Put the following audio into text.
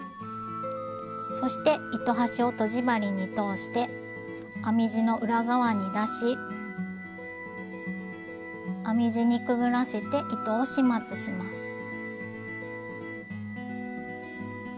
そして糸端をとじ針に通して編み地の裏側に出し編み地にくぐらせて糸を始末します。